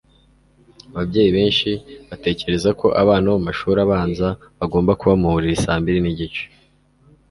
Ababyeyi benshi batekereza ko abana bo mumashuri abanza bagomba kuba muburiri saa mbiri nigice